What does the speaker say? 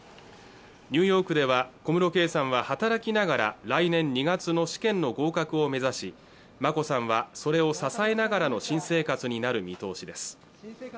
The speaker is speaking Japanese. ニューヨークでは小室圭さんは働きながら来年２月の試験の合格を目指し眞子さんはそれを支えながらの新生活になる見通しです